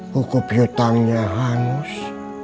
hukum yutangnya hangus